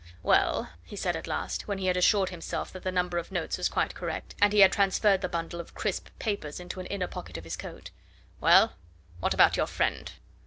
"Well!" he said at last when he had assured himself that the number of notes was quite correct, and he had transferred the bundle of crisp papers into an inner pocket of his coat "well, what about your friend?"